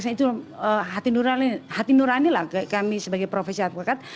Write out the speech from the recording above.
itu hati nurani lah kami sebagai profesi advokat